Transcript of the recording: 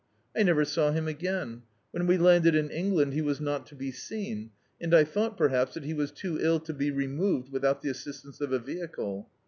I never saw him again, ^yhen we landed in England he was not to be seen, and I thougjit, perhaps, that he was too ill to be removed without the assistance of a vehicle.